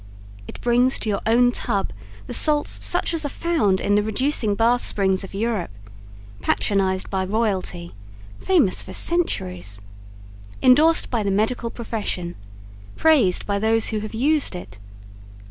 It brings to your own tub the salts such as are found in the reducing bath springs of Europe patronized by royalty, famous for centuries. Endorsed by the Medical Profession. Praised by those who have used it.